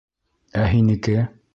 Ә һинеке?